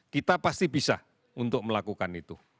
kita pasti bisa untuk melakukan itu